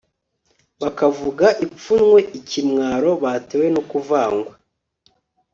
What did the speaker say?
bakavuga ipfunwe, ikimwaro batewe no kuvangwa